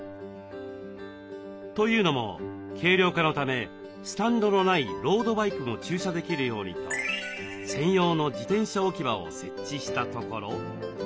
というのも軽量化のためスタンドのないロードバイクも駐車できるようにと専用の自転車置き場を設置したところ。